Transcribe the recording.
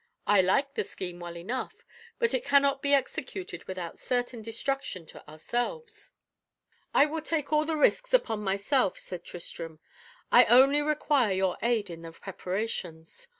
I like the scheme well enough; but it cannot be executed without certain destruction to ourselves." "I will take all the risk upon myself," said Tristram, "I only require your aid in the preparations.